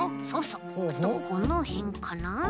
あとこのへんかな。